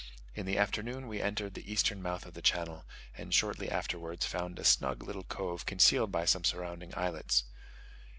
In the afternoon we entered the eastern mouth of the channel, and shortly afterwards found a snug little cove concealed by some surrounding islets.